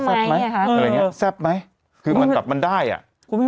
ไหมอะไรอย่างเงี้แซ่บไหมคือมันแบบมันได้อ่ะคุณแม่